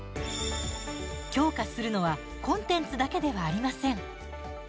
強化するのはコンテンツだけではありません。